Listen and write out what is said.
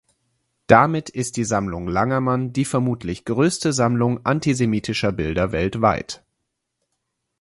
Damit ist die Sammlung Langerman die vermutlich größte Sammlung antisemitischer Bilder weltweit.